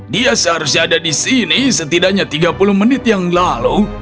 dia seharusnya ada di sini setidaknya tiga puluh menit yang lalu